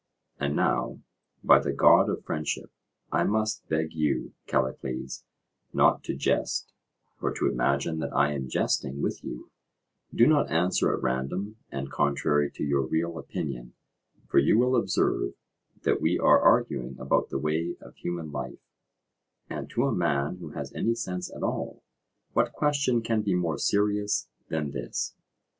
And now, by the god of friendship, I must beg you, Callicles, not to jest, or to imagine that I am jesting with you; do not answer at random and contrary to your real opinion—for you will observe that we are arguing about the way of human life; and to a man who has any sense at all, what question can be more serious than this?